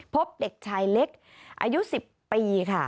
พบเด็กชายเล็กอายุ๑๐ปีค่ะ